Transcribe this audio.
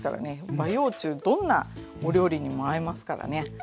和洋中どんなお料理にも合いますからね。